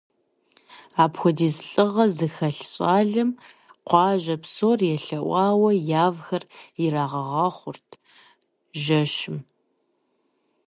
Апхуэдиз лӏыгъэ зыхэлъ щӏалэм къуажэ псор елъэӏуауэ явхэр ирагъэгъэхъурт жэщым.